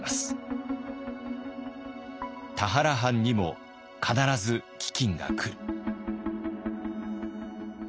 田原藩にも必ず飢饉が来る。